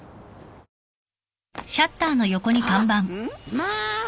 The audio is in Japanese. まあ。